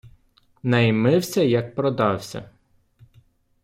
Наймився, як продався.